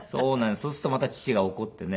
そうするとまた父が怒ってね。